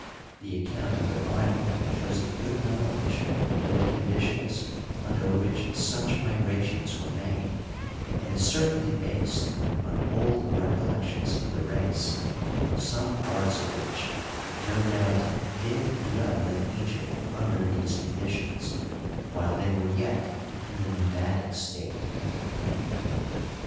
The account of the Bible shows a good knowledge of the conditions under which such migrations were made, and is certainly based on old recollections of the race, some parts of which no doubt did dwell in Egypt under these conditions while they were yet in the nomadic state.